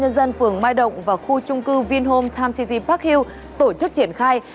dân phường mai động và khu trung cư vinhome time city park hill tổ chức triển khai